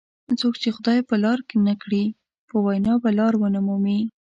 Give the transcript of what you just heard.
څوک چې خدای په لار نه کړي په وینا به لار ونه مومي.